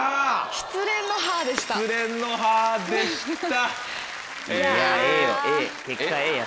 失恋の「はぁ」でした。